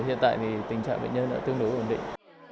hiện tại thì tình trạng bệnh nhân đã tương đối ổn định